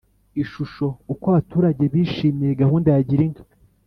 Ishusho Uko abaturage bishimiye gahunda ya Girinka